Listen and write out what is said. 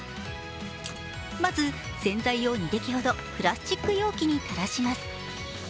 まず洗剤を２滴ほどプラスチック容器に垂らします。